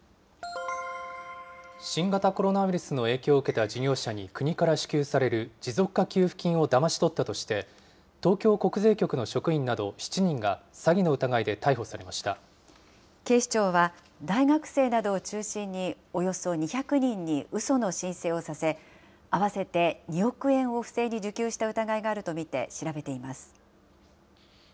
新型コロナウイルスの影響を受けた事業者に国から支給される持続化給付金をだまし取ったとして、東京国税局の職員など７人が警視庁は大学生などを中心におよそ２００人にうその申請をさせ、合わせて２億円を不正に受給した疑いがあると見て調べています。